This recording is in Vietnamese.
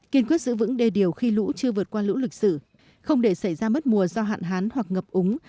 kiên quyết giữ vững đề điều khi lũ chưa vượt qua lũ lịch sử không để xảy ra mất mùa do hạn hán hoặc ngập úng